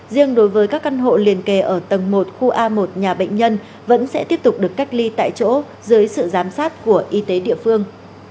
riêng đối với các căn hộ liền kề ở tầng một khu a một nhà bệnh nhân vẫn sẽ tiếp tục được cách ly tại chỗ dưới sự giám sát của y tế địa phương